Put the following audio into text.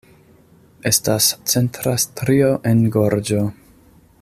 Estas centra strio en gorĝo.